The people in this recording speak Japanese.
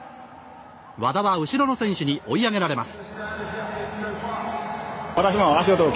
和田は後ろの選手に追い上げられます。